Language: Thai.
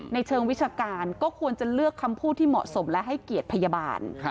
เชิงวิชาการก็ควรจะเลือกคำพูดที่เหมาะสมและให้เกียรติพยาบาล